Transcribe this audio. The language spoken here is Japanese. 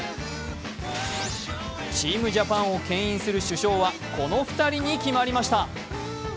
チームジャパンをけん引する主将はこの２人に決まりました。